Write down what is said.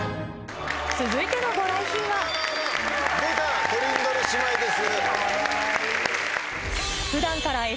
続いてのご来賓はトリンドル姉妹です。